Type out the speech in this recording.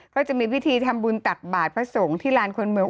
ก็จะมีพิธีทำบุญตักบาทพระสงฆ์ที่ลานคนเมือง